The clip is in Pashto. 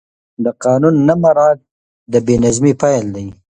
د قانون نه مراعت د بې نظمۍ پیل دی